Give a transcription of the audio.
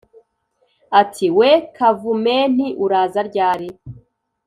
Ati :" We Kavumenti uraza ryari